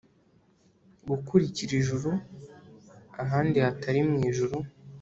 Gukurikirana ijuru ahandi hatari mwijuru